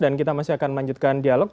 dan kita masih akan melanjutkan dialog